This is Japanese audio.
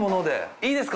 いいですか